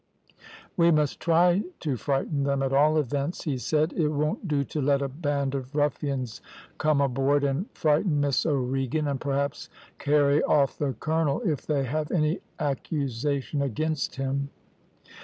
"`We must try to frighten them, at all events,' he said. `It won't do to let a band of ruffians come aboard and frighten Miss O'Regan, and perhaps carry off the colonel, if they have any accusation against him.'